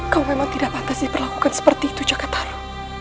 kau memang tidak pantas diperlakukan seperti itu jaka taru